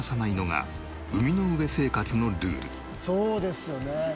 そうですよね。